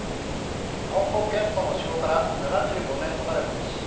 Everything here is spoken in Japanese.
日本国憲法の施行から７５年となる、ことし。